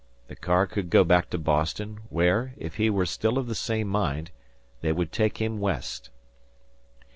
The car could go back to Boston, where, if he were still of the same mind, they would take him West.